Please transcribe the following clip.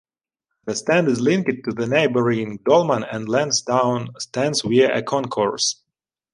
The stand is linked to the neighbouring Dolman and Lansdown stands via a concourse.